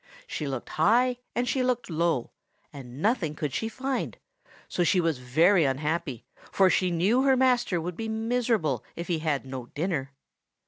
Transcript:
She looked high, and she looked low, but nothing could she find; so she was very unhappy; for she knew her master would be miserable if he had no dinner.